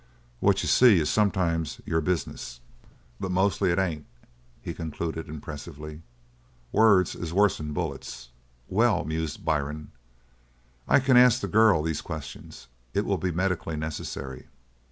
What you see is sometimes your business, but mostly it ain't." He concluded impressively: "Words is worse'n bullets!" "Well," mused Byrne, "I can ask the girl these questions. It will be medically necessary."